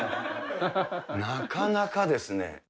なかなかですね。